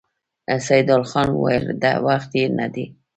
سيدال خان وويل: وخت يې نه دی؟